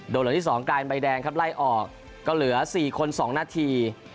โดนเหลืองที่สองกายใบแดงครับไล่ออกก็เหลือสี่คนสองนาที